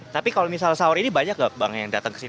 tapi kalau misal sahur ini banyak nggak bang yang datang ke sini